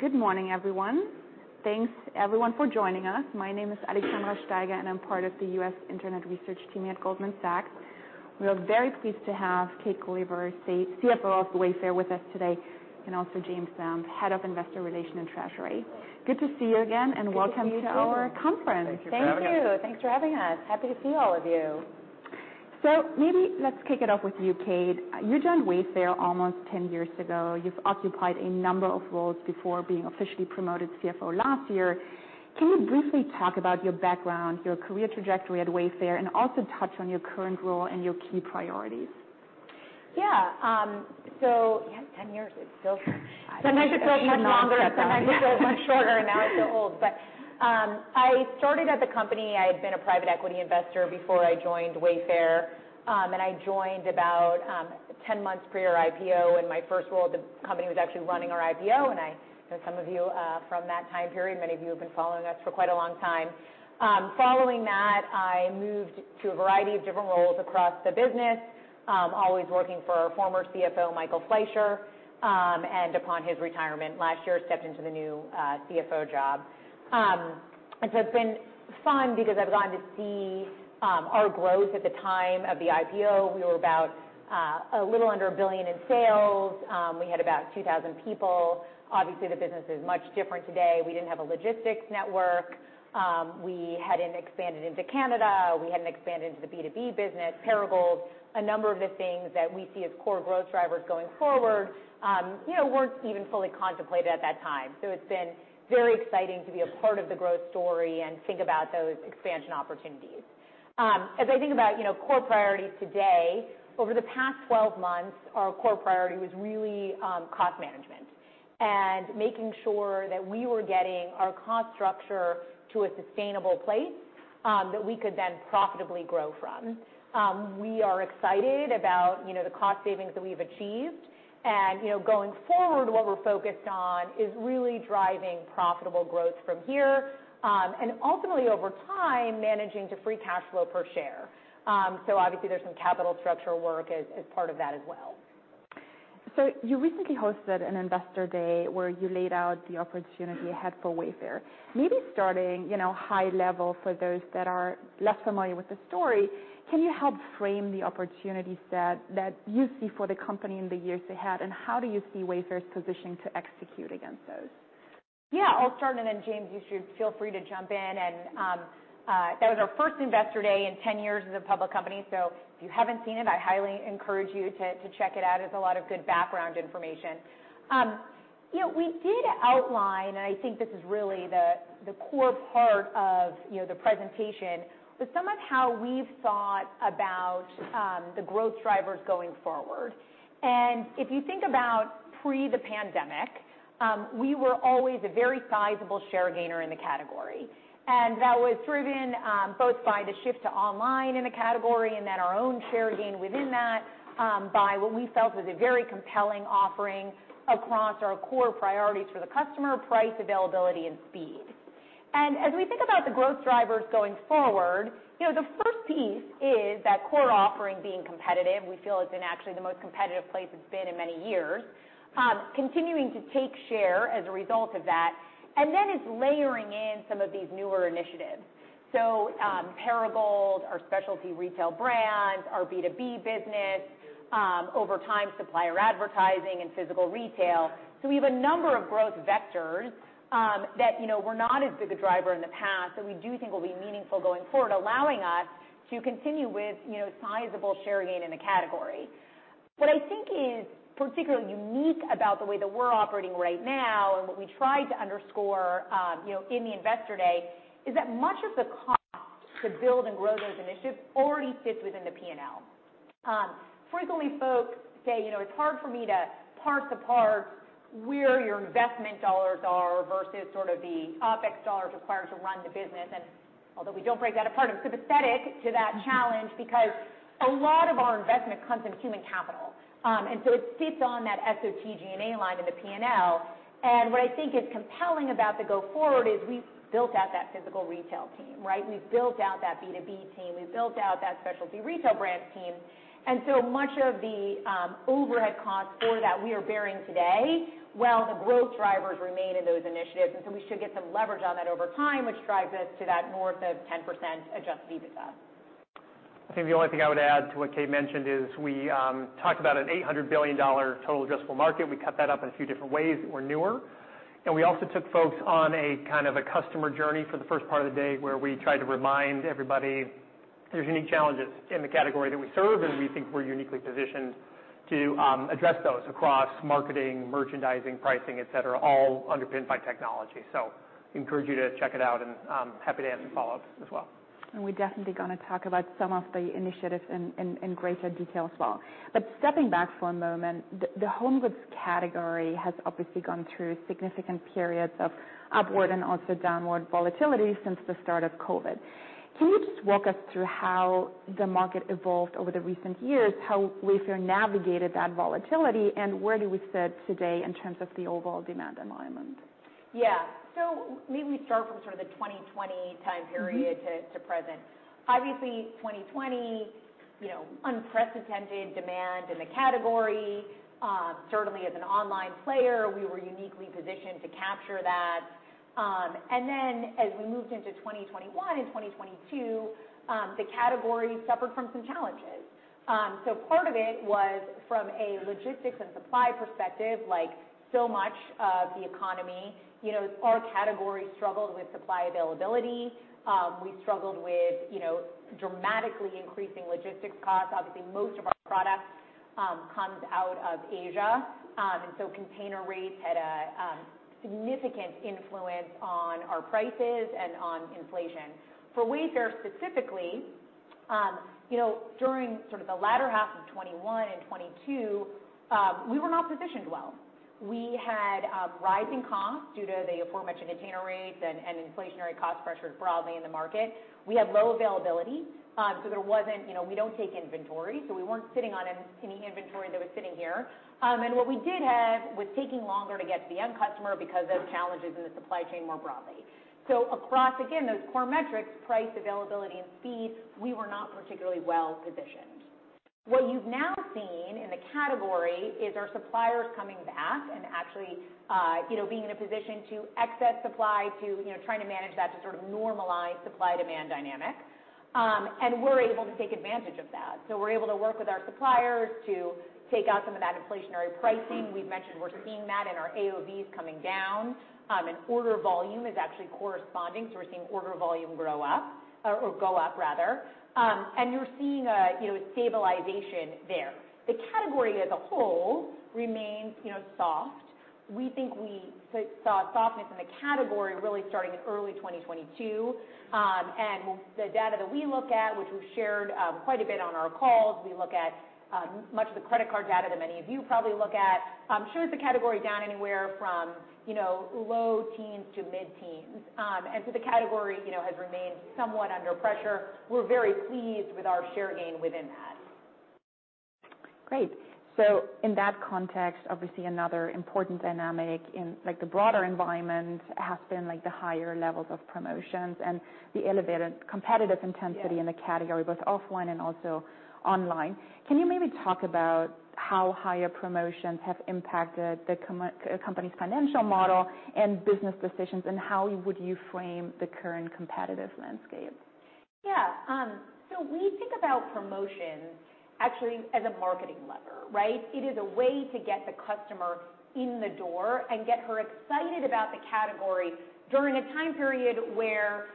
Good morning, everyone. Thanks, everyone, for joining us. My name is Alexandra Steiger, and I'm part of the U.S. Internet Research team at Goldman Sachs. We are very pleased to have Kate Gulliver, the CFO of Wayfair, with us today, and also James Bound, Head of Investor Relations and Treasury. Good to see you again, and welcome to our conference. Thank you. Thanks for having us. Happy to see all of you. Maybe let's kick it off with you, Kate. You joined Wayfair almost 10 years ago. You've occupied a number of roles before being officially promoted CFO last year. Can you briefly talk about your background, your career trajectory at Wayfair, and also touch on your current role and your key priorities? Yeah. So yeah, 10 years. It still sometimes feels much longer, sometimes it feels much shorter, and now I feel old. But I started at the company. I had been a private equity investor before I joined Wayfair, and I joined about 10 months pre-IPO, and my first role at the company was actually running our IPO. And I know some of you from that time period. Many of you have been following us for quite a long time. Following that, I moved to a variety of different roles across the business, always working for our former CFO, Michael Fleisher. And upon his retirement last year, stepped into the new CFO job. And so it's been fun because I've gotten to see our growth. At the time of the IPO, we were about a little under $1 billion in sales. We had about 2,000 people. Obviously, the business is much different today. We didn't have a logistics network. We hadn't expanded into Canada. We hadn't expanded into the B2B business. Several, a number of the things that we see as core growth drivers going forward, you know, weren't even fully contemplated at that time. So it's been very exciting to be a part of the growth story and think about those expansion opportunities. As I think about, you know, core priorities today, over the past 12 months, our core priority was really cost management and making sure that we were getting our cost structure to a sustainable place that we could then profitably grow from. We are excited about, you know, the cost savings that we've achieved. You know, going forward, what we're focused on is really driving profitable growth from here, and ultimately, over time, managing to free cash flow per share. Obviously there's some capital structural work as part of that as well. So you recently hosted an investor day where you laid out the opportunity ahead for Wayfair. Maybe starting, you know, high level for those that are less familiar with the story, can you help frame the opportunities that you see for the company in the years ahead, and how do you see Wayfair's positioning to execute against those? Yeah, I'll start, and then, James, you should feel free to jump in. That was our first investor day in 10 years as a public company. So if you haven't seen it, I highly encourage you to check it out. It's a lot of good background information. You know, we did outline, and I think this is really the core part of, you know, the presentation, was some of how we've thought about the growth drivers going forward. If you think about pre the pandemic, we were always a very sizable share gainer in the category, and that was driven both by the shift to online in the category and then our own share gain within that by what we felt was a very compelling offering across our core priorities for the customer: price, availability, and speed. As we think about the growth drivers going forward, you know, the first piece is that core offering being competitive. We feel it's in actually the most competitive place it's been in many years. Continuing to take share as a result of that, and then it's layering in some of these newer initiatives. So, Perigold, our specialty retail brands, our B2B business, over time, supplier advertising and physical retail. So we have a number of growth vectors, that, you know, were not as big a driver in the past, that we do think will be meaningful going forward, allowing us to continue with, you know, sizable share gain in the category. What I think is particularly unique about the way that we're operating right now, and what we tried to underscore, you know, in the investor day, is that much of the cost to build and grow those initiatives already sits within the P&L. Frequently folks say, "You know, it's hard for me to parse apart where your investment dollars are versus sort of the OpEx dollars required to run the business." And although we don't break that apart, I'm sympathetic to that challenge because a lot of our investment comes in human capital. And so it sits on that SG&A line in the P&L. And what I think is compelling about the go forward is we've built out that physical retail team, right? We've built out that B2B team. We've built out that specialty retail brands team. And so much of the overhead costs for that we are bearing today, well, the growth drivers remain in those initiatives, and so we should get some leverage on that over time, which drives us to that north of 10% Adjusted EBITDA. I think the only thing I would add to what Kate mentioned is we talked about an $800 billion total addressable market. We cut that up in a few different ways that were newer, and we also took folks on a kind of a customer journey for the first part of the day, where we tried to remind everybody there's unique challenges in the category that we serve, and we think we're uniquely positioned to address those across marketing, merchandising, pricing, et cetera, all underpinned by technology. So encourage you to check it out and happy to answer follow-ups as well. And we're definitely going to talk about some of the initiatives in greater detail as well. But stepping back for a moment, the home goods category has obviously gone through significant periods of upward and also downward volatility since the start of COVID. Can you just walk us through how the market evolved over the recent years, how Wayfair navigated that volatility, and where do we sit today in terms of the overall demand environment?... Yeah. So maybe we start from sort of the 2020 time period to present. Obviously, 2020, you know, unprecedented demand in the category. Certainly, as an online player, we were uniquely positioned to capture that. And then, as we moved into 2021 and 2022, the category suffered from some challenges. So part of it was from a logistics and supply perspective, like so much of the economy, you know, our category struggled with supply availability. We struggled with, you know, dramatically increasing logistics costs. Obviously, most of our product comes out of Asia, and so container rates had a significant influence on our prices and on inflation. For Wayfair, specifically, you know, during sort of the latter half of 2021 and 2022, we were not positioned well. We had rising costs due to the aforementioned container rates and inflationary cost pressures broadly in the market. We had low availability, so there wasn't... You know, we don't take inventory, so we weren't sitting on any inventory that was sitting here. And what we did have was taking longer to get to the end customer because of challenges in the supply chain more broadly. So across, again, those core metrics, price, availability, and speed, we were not particularly well-positioned. What you've now seen in the category is our suppliers coming back and actually, you know, being in a position to excess supply to, you know, trying to manage that to sort of normalize supply-demand dynamics. And we're able to take advantage of that. So we're able to work with our suppliers to take out some of that inflationary pricing. We've mentioned we're seeing that in our AOVs coming down, and order volume is actually corresponding, so we're seeing order volume grow up, or, or go up, rather. And you're seeing a, you know, stabilization there. The category as a whole remains, you know, soft. We think we saw softness in the category really starting in early 2022. And the data that we look at, which we've shared, quite a bit on our calls, we look at, much of the credit card data that many of you probably look at. I'm sure it's a category down anywhere from, you know, low teens to mid-teens. And so the category, you know, has remained somewhat under pressure. We're very pleased with our share gain within that. Great. So in that context, obviously, another important dynamic in, like, the broader environment has been, like, the higher levels of promotions and the elevated competitive intensity- Yeah. in the category, both offline and also online. Can you maybe talk about how higher promotions have impacted the company's financial model and business decisions, and how would you frame the current competitive landscape? Yeah. So we think about promotions actually as a marketing lever, right? It is a way to get the customer in the door and get her excited about the category during a time period where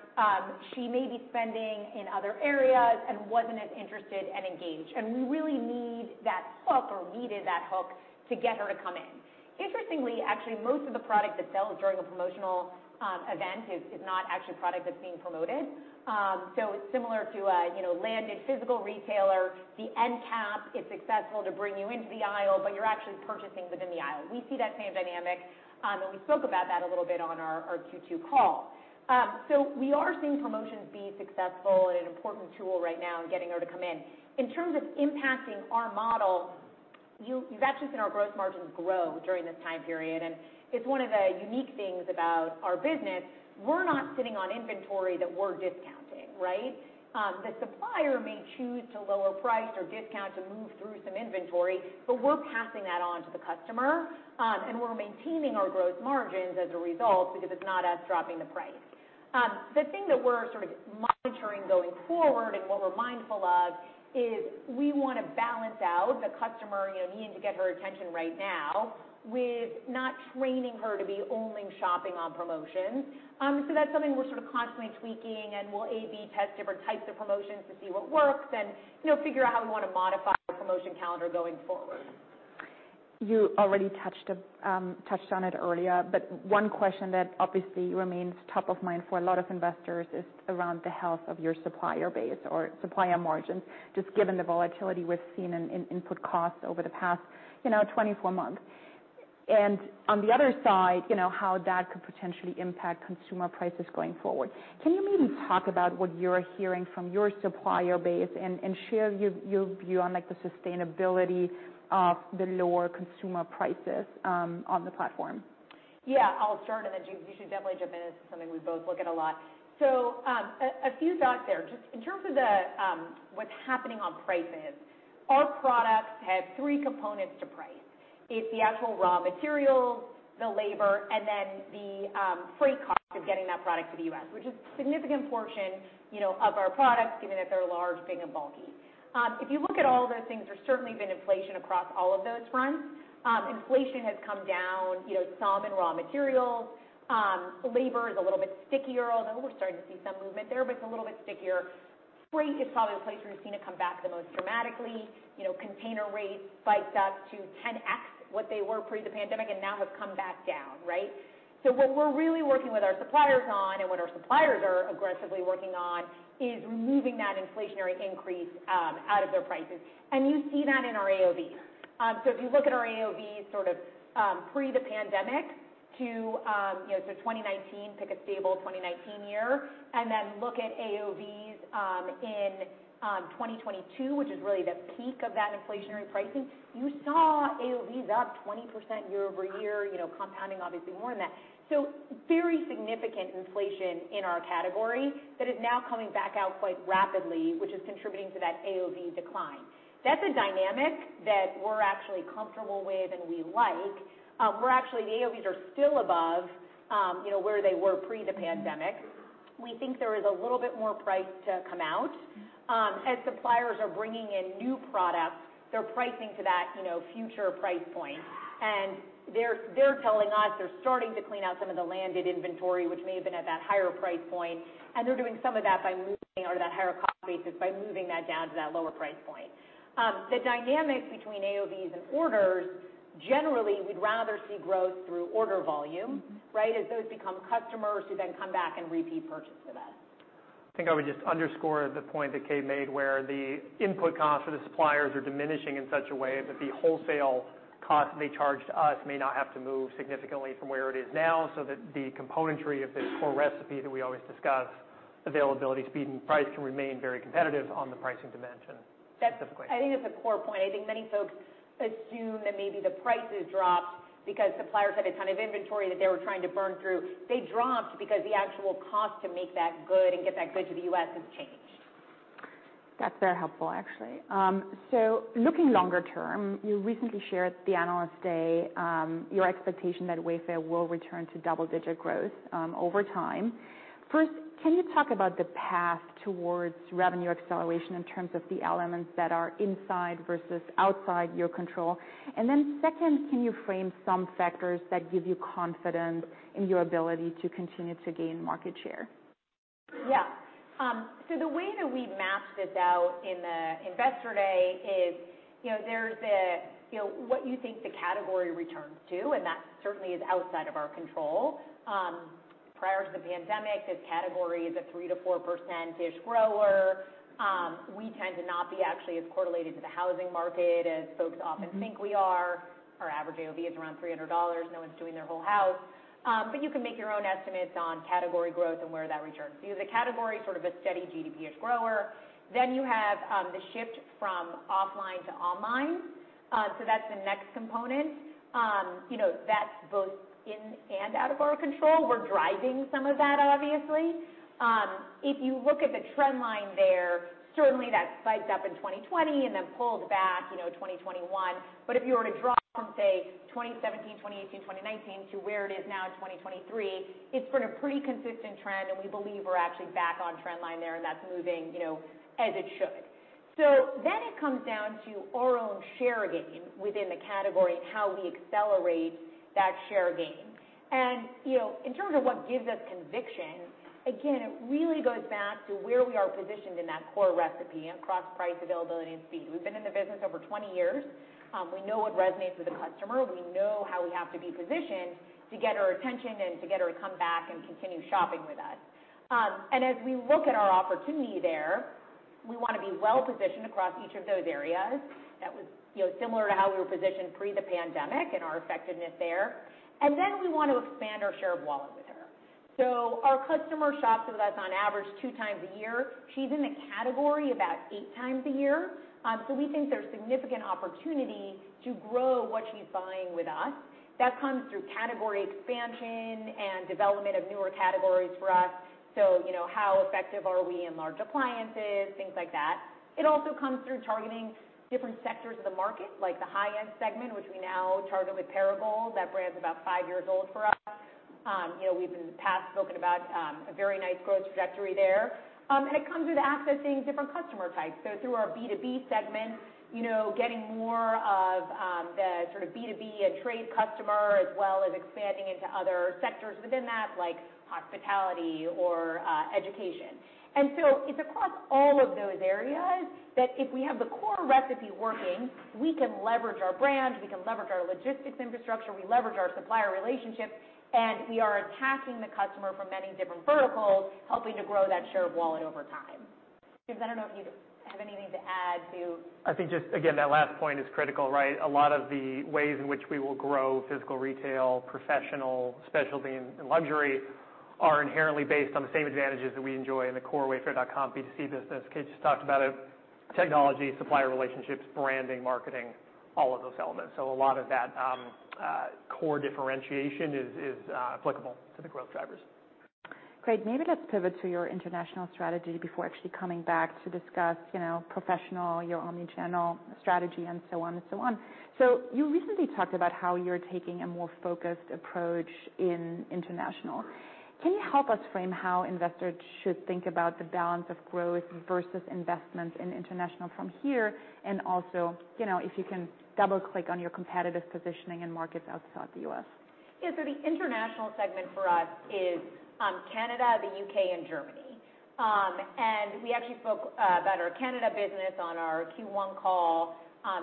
she may be spending in other areas and wasn't as interested and engaged. And we really need that hook, or we need that hook to get her to come in. Interestingly, actually, most of the product that's sold during a promotional event is not actually product that's being promoted. So similar to a, you know, landed physical retailer, the end cap is successful to bring you into the aisle, but you're actually purchasing within the aisle. We see that same dynamic, and we spoke about that a little bit on our Q2 call. So we are seeing promotions be successful and an important tool right now in getting her to come in. In terms of impacting our model, you've actually seen our gross margins grow during this time period, and it's one of the unique things about our business. We're not sitting on inventory that we're discounting, right? The supplier may choose to lower price or discount to move through some inventory, but we're passing that on to the customer, and we're maintaining our gross margins as a result, because it's not us dropping the price. The thing that we're sort of monitoring going forward, and what we're mindful of, is we want to balance out the customer, you know, needing to get her attention right now, with not training her to be only shopping on promotions. So that's something we're sort of constantly tweaking, and we'll A/B test different types of promotions to see what works and, you know, figure out how we want to modify our promotion calendar going forward. You already touched on it earlier, but one question that obviously remains top of mind for a lot of investors is around the health of your supplier base or supplier margins, just given the volatility we've seen in input costs over the past, you know, 24 months. And on the other side, you know, how that could potentially impact consumer prices going forward. Can you maybe talk about what you're hearing from your supplier base and share your view on, like, the sustainability of the lower consumer prices on the platform? Yeah, I'll start, and then you should definitely jump into. This is something we both look at a lot. So, a few thoughts there. Just in terms of what's happening on prices, our products have three components to price. It's the actual raw material, the labor, and then the freight cost of getting that product to the U.S., which is a significant portion, you know, of our products, given that they're large, big, and bulky. If you look at all those things, there's certainly been inflation across all of those fronts. Inflation has come down, you know, some in raw materials. Labor is a little bit stickier, although we're starting to see some movement there, but it's a little bit stickier. Freight is probably the place where we've seen it come back the most dramatically. You know, container rates spiked up to 10x what they were pre the pandemic, and now have come back down, right? So, what we're really working with our suppliers on, and what our suppliers are aggressively working on, is removing that inflationary increase out of their prices. And you see that in our AOV. So if you look at our AOV sort of pre the pandemic to, you know, so 2019, pick a stable 2019 year, and then look at AOVs in 2022, which is really the peak of that inflationary pricing, is up 20% year-over-year, you know, compounding obviously more than that. So very significant inflation in our category that is now coming back out quite rapidly, which is contributing to that AOV decline. That's a dynamic that we're actually comfortable with and we like. We're actually the AOVs are still above, you know, where they were pre the pandemic. We think there is a little bit more price to come out. As suppliers are bringing in new products, they're pricing to that, you know, future price point, and they're telling us they're starting to clean out some of the landed inventory, which may have been at that higher price point. And they're doing some of that by moving out of that higher cost basis by moving that down to that lower price point. The dynamics between AOVs and orders, generally, we'd rather see growth through order volume, right? As those become customers who then come back and repeat purchase with us. I think I would just underscore the point that Kate made, where the input costs for the suppliers are diminishing in such a way that the wholesale cost they charge to us may not have to move significantly from where it is now, so that the componentry of this core recipe that we always discuss, availability, speed, and price, can remain very competitive on the pricing dimension, specifically. That's. I think that's a core point. I think many folks assume that maybe the prices dropped because suppliers had a ton of inventory that they were trying to burn through. They dropped because the actual cost to make that good and get that good to the U.S. has changed. That's very helpful, actually. So looking longer term, you recently shared at the Analyst Day, your expectation that Wayfair will return to double-digit growth, over time. First, can you talk about the path towards revenue acceleration in terms of the elements that are inside versus outside your control? And then second, can you frame some factors that give you confidence in your ability to continue to gain market share? Yeah. So the way that we mapped this out in the Investor Day is, you know, there's the, you know, what you think the category returns to, and that certainly is outside of our control. Prior to the pandemic, this category is a 3%-4% ish grower. We tend to not be actually as correlated to the housing market as folks often think we are. Our average AOV is around $300. No one's doing their whole house. But you can make your own estimates on category growth and where that returns. So as a category, sort of a steady GDP-ish grower. Then you have the shift from offline to online. So that's the next component. You know, that's both in and out of our control. We're driving some of that, obviously. If you look at the trend line there, certainly that spiked up in 2020 and then pulled back, you know, in 2021. But if you were to draw from, say, 2017, 2018, 2019 to where it is now in 2023, it's been a pretty consistent trend, and we believe we're actually back on trend line there, and that's moving, you know, as it should. So then it comes down to our own share gain within the category and how we accelerate that share gain. And, you know, in terms of what gives us conviction, again, it really goes back to where we are positioned in that core recipe and across price, availability, and speed. We've been in the business over 20 years. We know what resonates with the customer. We know how we have to be positioned to get her attention and to get her to come back and continue shopping with us. As we look at our opportunity there, we want to be well-positioned across each of those areas. That was, you know, similar to how we were positioned pre the pandemic and our effectiveness there. And then we want to expand our share of wallet with her. So our customer shops with us on average two times a year. She's in the category about eight times a year. So we think there's significant opportunity to grow what she's buying with us. That comes through category expansion and development of newer categories for us. So you know, how effective are we in large appliances, things like that. It also comes through targeting different sectors of the market, like the high-end segment, which we now target with Perigold. That brand's about five years old for us. You know, we've in the past spoken about, a very nice growth trajectory there. And it comes with accessing different customer types. So through our B2B segment, you know, getting more of, the sort of B2B and trade customer, as well as expanding into other sectors within that, like hospitality or, education. And so it's across all of those areas, that if we have the core recipe working, we can leverage our brand, we can leverage our logistics infrastructure, we leverage our supplier relationships, and we are attacking the customer from many different verticals, helping to grow that share of wallet over time. James, I don't know if you'd have anything to add to- I think just, again, that last point is critical, right? A lot of the ways in which we will grow physical retail, professional, specialty, and luxury are inherently based on the same advantages that we enjoy in the core Wayfair.com B2C business. Kate just talked about it, technology, supplier relationships, branding, marketing, all of those elements. So a lot of that core differentiation is applicable to the growth drivers. Great! Maybe let's pivot to your international strategy before actually coming back to discuss, you know, professional, your omnichannel strategy, and so on, and so on. So you recently talked about how you're taking a more focused approach in international. Can you help us frame how investors should think about the balance of growth versus investment in international from here, and also, you know, if you can double-click on your competitive positioning in markets outside the U.S.? Yeah, so the international segment for us is Canada, the UK, and Germany. And we actually spoke about our Canada business on our Q1 call.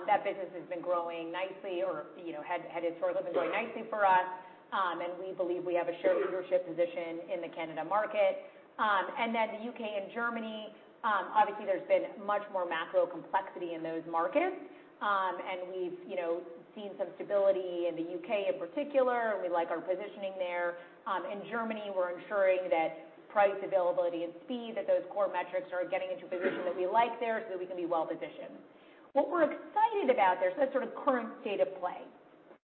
That business has been growing nicely or, you know, had headed sort of been growing nicely for us. And we believe we have a shared leadership position in the Canada market. And then the UK and Germany, obviously, there's been much more macro complexity in those markets. And we've, you know, seen some stability in the UK in particular, and we like our positioning there. In Germany, we're ensuring that price, availability, and speed, that those core metrics are getting into a position that we like there, so we can be well-positioned. What we're excited about there, so that's sort of current state of play.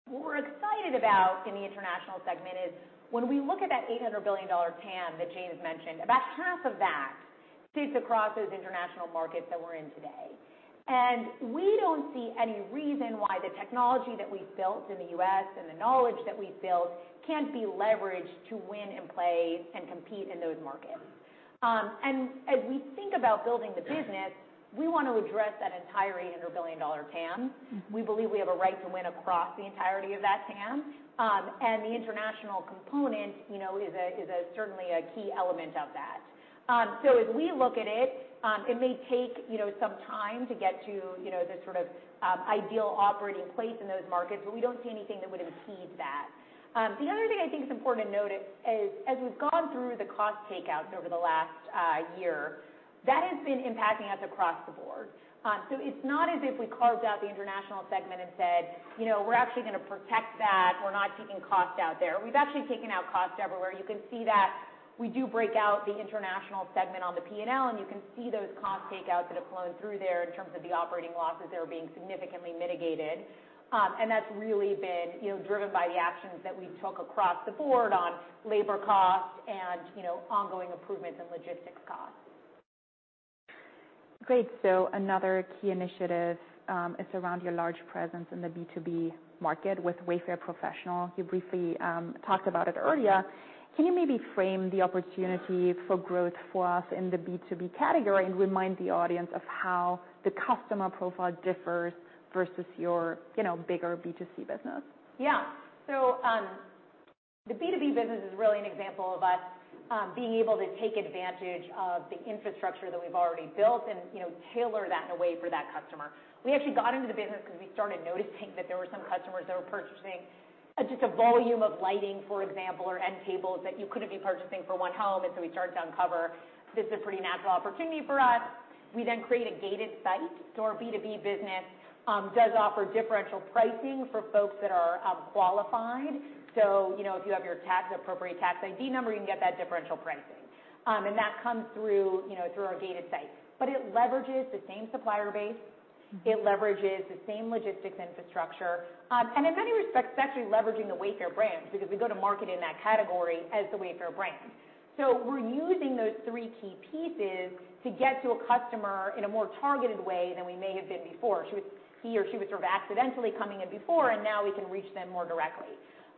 What we're excited about in the international segment is when we look at that $800 billion TAM that James mentioned, about half of that sits across those international markets that we're in today. And we don't see any reason why the technology that we've built in the U.S. and the knowledge that we've built can't be leveraged to win and play and compete in those markets. And as we think about building the business, we want to address that entire $800 billion TAM. We believe we have a right to win across the entirety of that TAM, and the international component, you know, is certainly a key element of that. So as we look at it, it may take, you know, some time to get to, you know, the sort of, ideal operating place in those markets, but we don't see anything that would impede that. The other thing I think is important to note is, as we've gone through the cost takeouts over the last year, that has been impacting us across the board. So it's not as if we carved out the international segment and said, "You know, we're actually gonna protect that. We're not taking costs out there." We've actually taken out costs everywhere. You can see that we do break out the international segment on the P&L, and you can see those cost takeouts that have flown through there in terms of the operating losses that are being significantly mitigated. That's really been, you know, driven by the actions that we took across the board on labor costs and, you know, ongoing improvements in logistics costs. Great. So another key initiative is around your large presence in the B2B market with Wayfair Professional. You briefly talked about it earlier. Can you maybe frame the opportunity for growth for us in the B2B category and remind the audience of how the customer profile differs versus your, you know, bigger B2C business? Yeah. So, the B2B business is really an example of us being able to take advantage of the infrastructure that we've already built and, you know, tailor that in a way for that customer. We actually got into the business because we started noticing that there were some customers that were purchasing just a volume of lighting, for example, or end tables that you couldn't be purchasing for one home. And so we started to uncover this is a pretty natural opportunity for us. We then create a gated site. So our B2B business does offer differential pricing for folks that are qualified. So, you know, if you have your tax-appropriate tax ID number, you can get that differential pricing. And that comes through, you know, through our gated site. But it leverages the same supplier base, it leverages the same logistics infrastructure. And in many respects, it's actually leveraging the Wayfair brand because we go to market in that category as the Wayfair brand. So, we're using those three key pieces to get to a customer in a more targeted way than we may have been before. He or she was sort of accidentally coming in before, and now we can reach them more directly.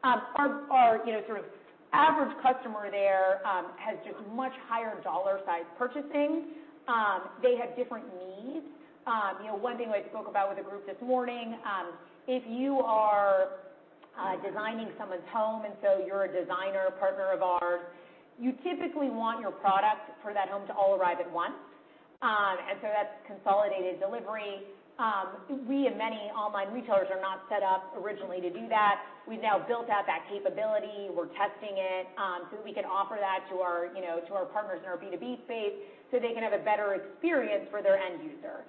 Our, you know, sort of average customer there has just much higher dollar size purchasing. They have different needs. You know, one thing I spoke about with a group this morning, if you are designing someone's home, and so you're a designer, a partner of ours, you typically want your product for that home to all arrive at once. And so that's consolidated delivery. We and many online retailers are not set up originally to do that. We've now built out that capability. We're testing it, so we can offer that to our, you know, to our partners in our B2B space, so they can have a better experience for their end user.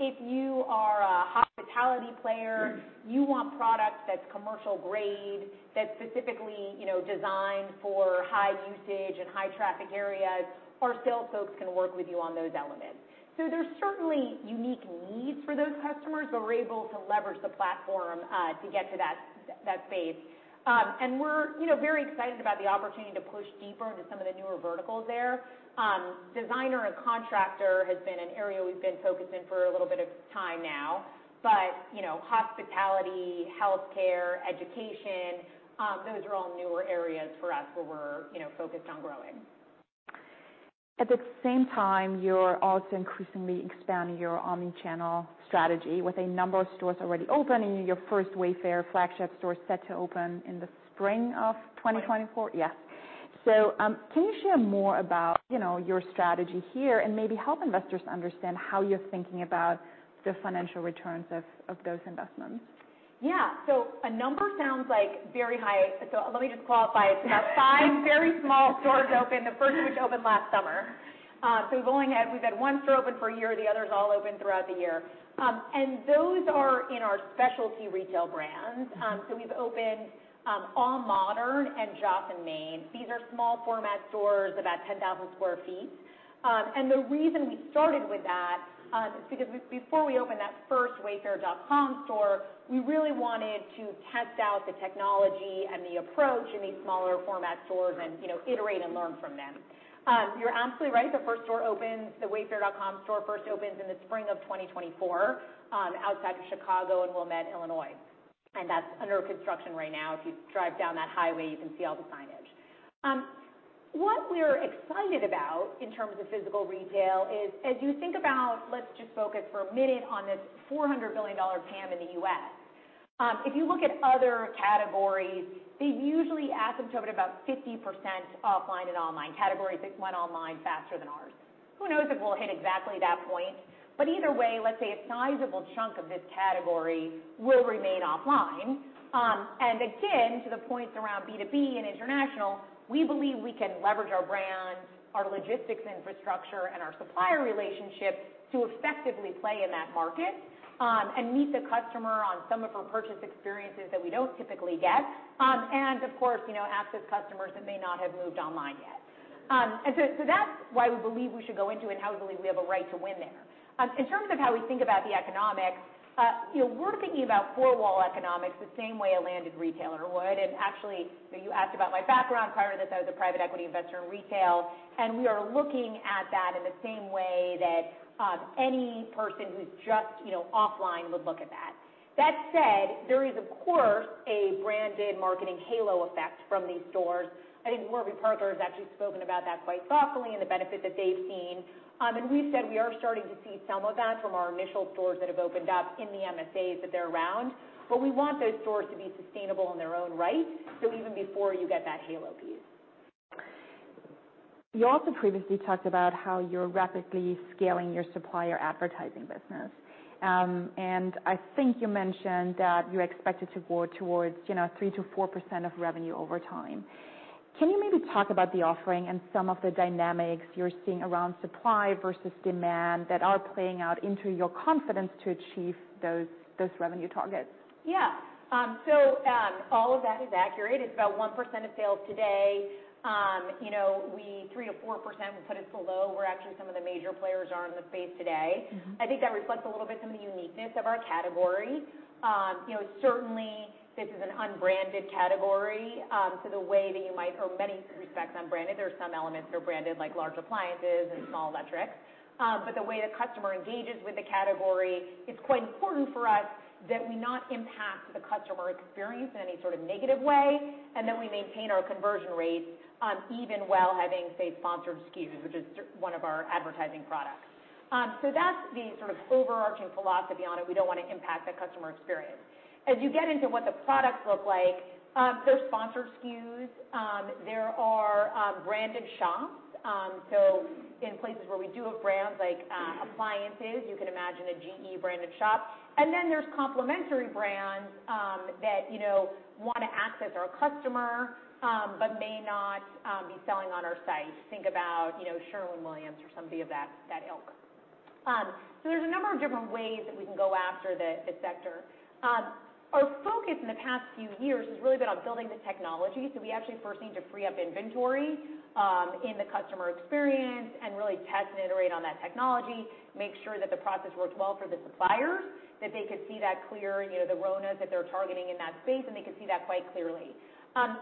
If you are a hospitality player, you want product that's commercial grade, that's specifically, you know, designed for high usage and high traffic areas. Our sales folks can work with you on those elements. So there's certainly unique needs for those customers, but we're able to leverage the platform, to get to that, that space. And we're, you know, very excited about the opportunity to push deeper into some of the newer verticals there. Designer and contractor has been an area we've been focusing for a little bit of time now, but, you know, hospitality, healthcare, education, those are all newer areas for us where we're, you know, focused on growing. At the same time, you're also increasingly expanding your omni-channel strategy with a number of stores already open, and your first Wayfair flagship store is set to open in the spring of 2024? Right. Yes. So, can you share more about, you know, your strategy here and maybe help investors understand how you're thinking about the financial returns of those investments? Yeah. So a number sounds, like, very high. So let me just qualify. We have five very small stores open, the first of which opened last summer. So we've only had one store open for a year, the others all opened throughout the year. And those are in our specialty retail brands. So we've opened AllModern and Joss & Main. These are small format stores, about 10,000 sq ft. And the reason we started with that is because before we opened that first Wayfair.com store, we really wanted to test out the technology and the approach in these smaller format stores and, you know, iterate and learn from them. You're absolutely right. The first store opens. The Wayfair.com store first opens in the spring of 2024, outside of Chicago in Wilmette, Illinois, and that's under construction right now. If you drive down that highway, you can see all the signage. What we're excited about in terms of physical retail is, as you think about, let's just focus for a minute on this $400 billion TAM in the U.S. If you look at other categories, they usually asymptote at about 50% offline and online, categories that went online faster than ours. Who knows if we'll hit exactly that point? But either way, let's say a sizable chunk of this category will remain offline. And again, to the points around B2B and international, we believe we can leverage our brand, our logistics infrastructure, and our supplier relationships to effectively play in that market, and meet the customer on some of her purchase experiences that we don't typically get. And of course, you know, active customers that may not have moved online yet. So that's why we believe we should go into and how we believe we have a right to win there. In terms of how we think about the economics, you know, we're thinking about four-wall economics the same way a landed retailer would. And actually, you know, you asked about my background. Prior to this, I was a private equity investor in retail, and we are looking at that in the same way that any person who's just, you know, offline would look at that. That said, there is of course a branded marketing halo effect from these stores. I think Warby Parker has actually spoken about that quite thoughtfully and the benefit that they've seen. And we've said we are starting to see some of that from our initial stores that have opened up in the MSAs that they're around. But we want those stores to be sustainable in their own right, so even before you get that halo piece. You also previously talked about how you're rapidly scaling your supplier advertising business. I think you mentioned that you expected to grow towards, you know, 3%-4% of revenue over time. Can you maybe talk about the offering and some of the dynamics you're seeing around supply versus demand that are playing out into your confidence to achieve those revenue targets? Yeah. So, all of that is accurate. It's about 1% of sales today. You know, 3%-4%, we put us below where actually some of the major players are in the space today. Mm-hmm. I think that reflects a little bit some of the uniqueness of our category. You know, certainly this is an unbranded category, so the way that you might, for many respects, unbranded, there are some elements that are branded, like large appliances and small electrics. But the way the customer engages with the category, it's quite important for us that we not impact the customer experience in any sort of negative way, and that we maintain our conversion rates, even while having, say, sponsored SKUs, which is one of our advertising products. So that's the sort of overarching philosophy on it. We don't wanna impact the customer experience. As you get into what the products look like, so sponsored SKUs, there are branded shops. So in places where we do have brands like appliances, you can imagine a GE-branded shop. And then there's complementary brands that, you know, wanna access our customer, but may not be selling on our site. Think about, you know, Sherwin-Williams or somebody of that ilk. So there's a number of different ways that we can go after the sector. Our focus in the past few years has really been on building the technology. So we actually first need to free up inventory in the customer experience and really test and iterate on that technology, make sure that the process works well for the suppliers, that they could see that clear, you know, the ROAS that they're targeting in that space, and they can see that quite clearly.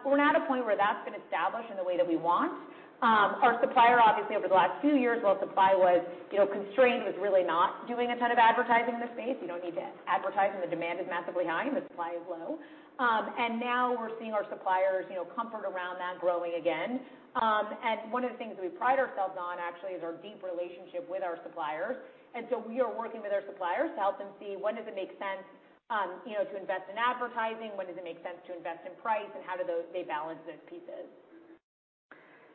We're now at a point where that's been established in the way that we want. Our supplier, obviously, over the last few years, while supply was, you know, constrained, was really not doing a ton of advertising in the space. You don't need to advertise when the demand is massively high and the supply is low. And now we're seeing our suppliers, you know, comfort around that growing again. And one of the things we pride ourselves on, actually, is our deep relationship with our suppliers. And so we are working with our suppliers to help them see when does it make sense, you know, to invest in advertising, when does it make sense to invest in price, and how they balance those pieces.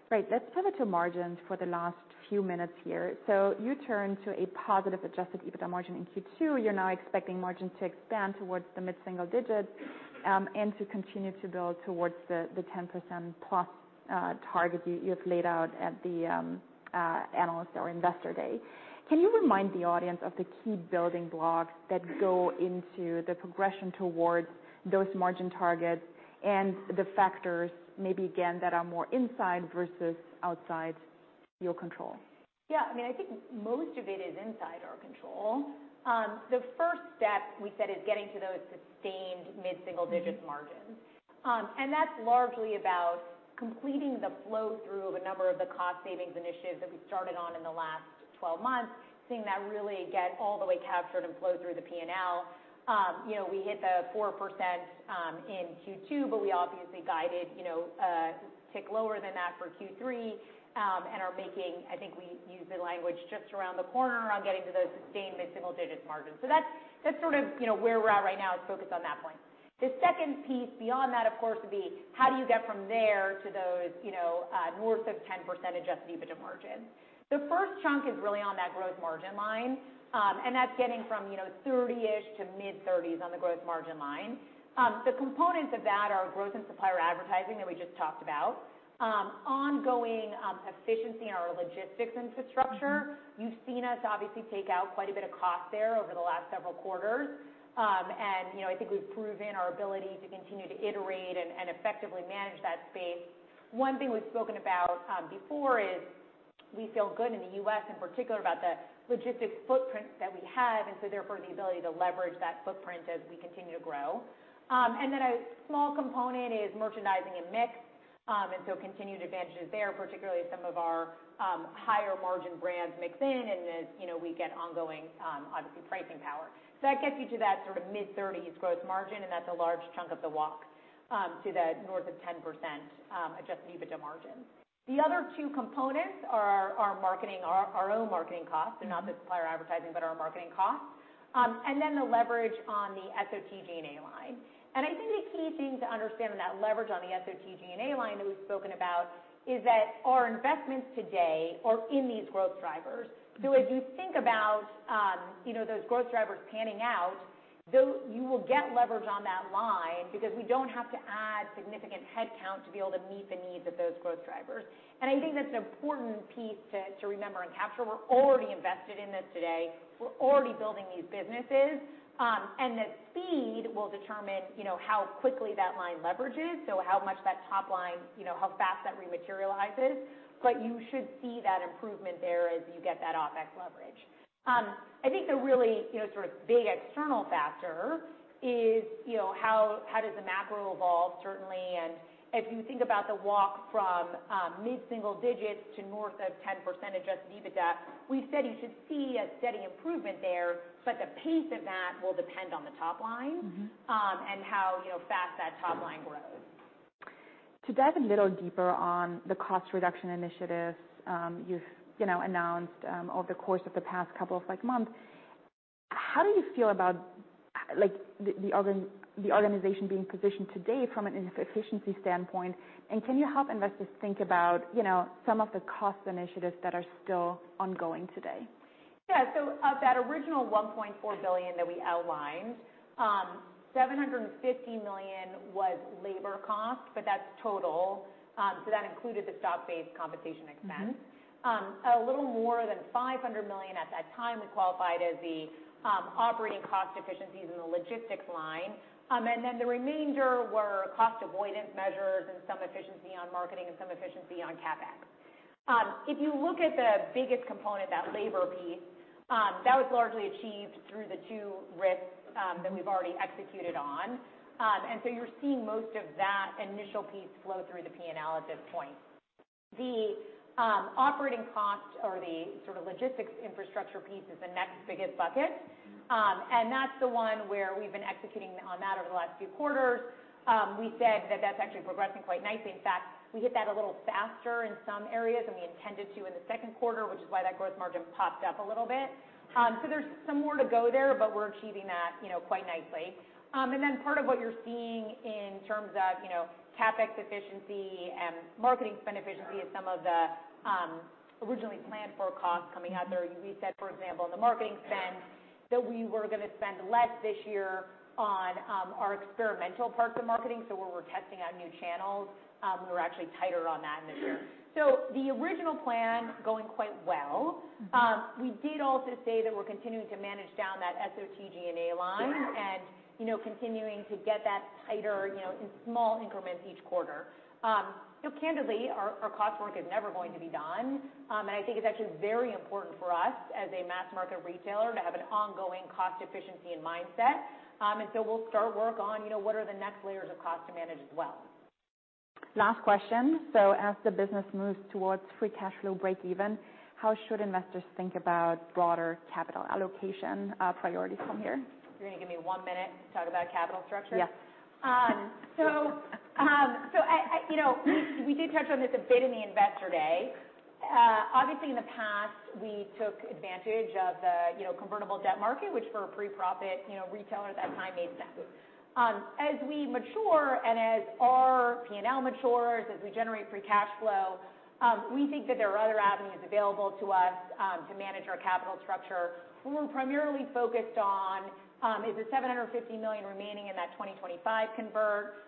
Right. Let's pivot to margins for the last few minutes here. So you turn to a positive Adjusted EBITDA margin in Q2. You're now expecting margins to expand towards the mid-single digits, and to continue to build towards the, the 10%+, target you, you have laid out at the, analyst or investor day. Can you remind the audience of the key building blocks that go into the progression towards those margin targets and the factors, maybe again, that are more inside versus outside your control? Yeah, I mean, I think most of it is inside our control. The first step we said is getting to those sustained mid-single-digit margins. Mm-hmm. And that's largely about completing the flow through of a number of the cost savings initiatives that we started on in the last 12 months, seeing that really get all the way captured and flow through the P&L. You know, we hit the 4% in Q2, but we obviously guided, you know, a tick lower than that for Q3, and are making. I think we used the language just around the corner on getting to those sustained mid-single-digit margins. So that's, that's sort of, you know, where we're at right now, is focused on that point. The second piece beyond that, of course, would be how do you get from there to those, you know, north of 10% Adjusted EBITDA margins? The first chunk is really on that gross margin line, and that's getting from, you know, 30-ish to mid-30s on the gross margin line. The components of that are growth in supplier advertising that we just talked about, ongoing efficiency in our logistics infrastructure. Mm-hmm. You've seen us obviously take out quite a bit of cost there over the last several quarters. And, you know, I think we've proven our ability to continue to iterate and effectively manage that space. One thing we've spoken about before is we feel good in the U.S. in particular, about the logistics footprint that we have, and so therefore, the ability to leverage that footprint as we continue to grow. And then a small component is merchandising and mix. And so continued advantages there, particularly as some of our higher margin brands mix in and as, you know, we get ongoing obviously pricing power. So that gets you to that sort of mid-30s gross margin, and that's a large chunk of the walk to the north of 10% adjusted EBITDA margins. The other two components are our marketing, our own marketing costs. Mm-hmm. So not the supplier advertising, but our marketing costs. And then the leverage on the SG&A line. And I think the key thing to understand on that leverage on the SG&A line that we've spoken about is that our investments today are in these growth drivers. Mm-hmm. So as you think about, you know, those growth drivers panning out, you will get leverage on that line because we don't have to add significant headcount to be able to meet the needs of those growth drivers. I think that's an important piece to, to remember and capture. We're already invested in this today. We're already building these businesses, and the speed will determine, you know, how quickly that line leverages, so how much that top line, you know, how fast that rematerializes. But you should see that improvement there as you get that OpEx leverage. I think the really, you know, sort of big external factor is, you know, how does the macro evolve, certainly, and if you think about the walk from mid-single digits to north of 10% Adjusted EBITDA, we said you should see a steady improvement there, but the pace of that will depend on the top line, Mm-hmm. and how, you know, fast that top line grows. To dive a little deeper on the cost reduction initiatives, you've, you know, announced, over the course of the past couple of, like, months, how do you feel about, like, the organization being positioned today from an efficiency standpoint? And can you help investors think about, you know, some of the cost initiatives that are still ongoing today? Yeah. So of that original $1.4 billion that we outlined, $750 million was labor cost, but that's total, so that included the stock-based compensation expense. Mm-hmm. A little more than $500 million at that time we qualified as the operating cost efficiencies in the logistics line. And then, the remainder were cost avoidance measures and some efficiency on marketing and some efficiency on CapEx. If you look at the biggest component, that labor piece, that was largely achieved through the two RIFs that we've already executed on. And so you're seeing most of that initial piece flow through the P&L at this point. The operating cost or the sort of logistics infrastructure piece is the next biggest bucket. Mm-hmm. And that's the one where we've been executing on that over the last few quarters. We said that that's actually progressing quite nicely. In fact, we hit that a little faster in some areas than we intended to in the second quarter, which is why that gross margin popped up a little bit. So there's some more to go there, but we're achieving that, you know, quite nicely. And then, part of what you're seeing in terms of, you know, CapEx efficiency and marketing spend efficiency is some of the originally planned for costs coming out there. We said, for example, in the marketing spend, that we were gonna spend less this year on our experimental parts of marketing, so where we're testing out new channels. We were actually tighter on that this year. So the original plan is going quite well. Mm-hmm. We did also say that we're continuing to manage down that SG&A line- Yeah. and, you know, continuing to get that tighter, you know, in small increments each quarter. So candidly, our cost work is never going to be done. And I think it's actually very important for us as a mass market retailer to have an ongoing cost efficiency and mindset. And so we'll start work on, you know, what are the next layers of cost to manage as well. Last question. So as the business moves towards free cash flow break even, how should investors think about broader capital allocation, priorities from here? You're gonna give me one minute to talk about capital structure? Yes. You know, we did touch on this a bit in the Investor Day. Obviously, in the past, we took advantage of the, you know, convertible debt market, which for a pre-profit, you know, retailer at that time made sense. As we mature and as our P&L matures, as we generate free cash flow, we think that there are other avenues available to us, to manage our capital structure. We're primarily focused on is the $750 million remaining in that 2025 convert.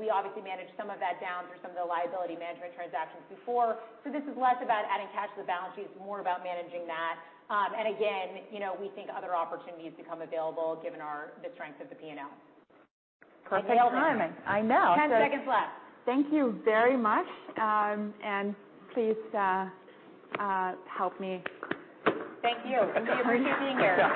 We obviously managed some of that down through some of the liability management transactions before. So, this is less about adding cash to the balance sheet, it's more about managing that. And again, you know, we think other opportunities become available given our, the strength of the P&L. Perfect timing. I know. I know. 10 seconds left. Thank you very much. Please, help me. Thank you. I appreciate you being here.